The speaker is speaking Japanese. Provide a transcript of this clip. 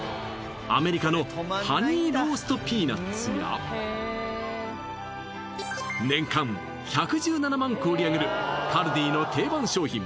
アメリカのハニーローストピーナッツや年間１１７万個売り上げるカルディの定番商品